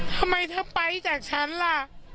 ทำไมเธอไปจากฉันล่ะ